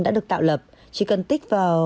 đã được tạo lập chị cần tích vào